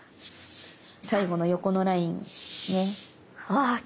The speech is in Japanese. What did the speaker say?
最後の横のラインですね。